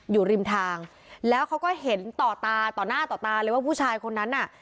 อยู่ริมทางแล้วเขาก็เห็นต่อตาต่อหน้าต่อตาเลยว่าผู้ชายคนนั้นน่ะ